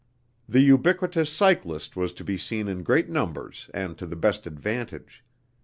The ubiquitous cyclist was to be seen in great numbers and to the best advantage.